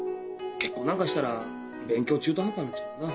結婚なんかしたら勉強中途半端になっちゃうもんな。